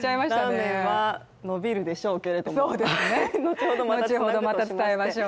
ラーメンはのびるでしょうけれども、後ほどまた伝えましょう。